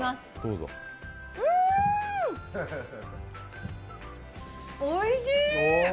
うーんおいしい！